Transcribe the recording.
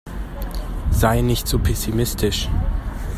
Sei nicht so pessimistisch.